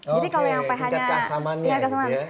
oke tingkat kasamannya gitu ya